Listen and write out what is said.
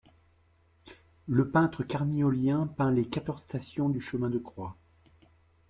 Le peintre carniolien peint les quatorze stations du chemin de croix.